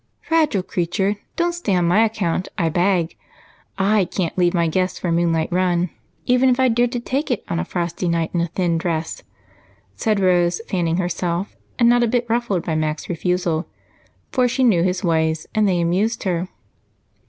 "Fragile creature, don't stay on my account, I beg. I can't leave my guests for a moonlight run, even if I dared to take it on a frosty night in a thin dress," said Rose, fanning herself and not a bit ruffled by Mac's refusal, for she knew his ways and they amused her.